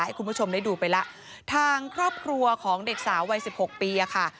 ให้คุณผู้ชมได้ดูไปแล้วทางครอบครัวของเด็กสาววัยสิบหกปีอ่ะค่ะ